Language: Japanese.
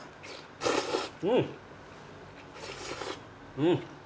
うん。